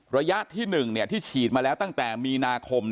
ระยะที่๑ที่ฉีดมาแล้วตั้งแต่มีนาคม